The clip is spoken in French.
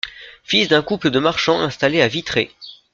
Fils d'un couple de marchands installés à Vitré.